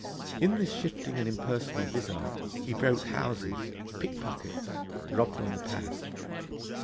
In this shifting and impersonal vizard, he broke houses, picked pockets, robbed on the pad.